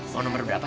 mau nomor berapa